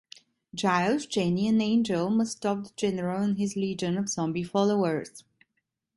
Giles, Jenny and Angel must stop the General and his legion of zombie followers.